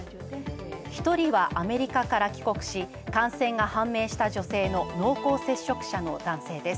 １人はアメリカから帰国し、感染が判明した女性の濃厚接触者の男性です。